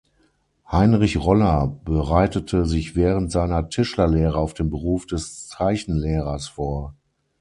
Heinrich Roller bereitete sich während seiner Tischlerlehre auf den Beruf des Zeichenlehrers vor.